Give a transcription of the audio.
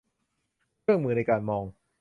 เครื่องมือในการมอง